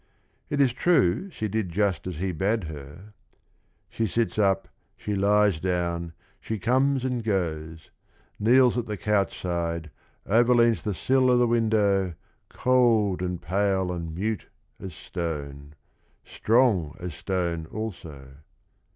It is true she did just as he bade her :'.' She sits up, she lies down, she comes and goes. Kneels at the couch side, overleans the sill O' the window, cold and pale and mute as stone, Strong as stone also."